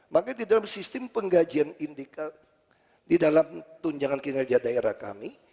makanya di dalam sistem penggajian di dalam tunjangan kinerja daerah kami